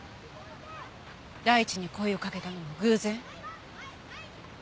大地に声をかけたのも偶然？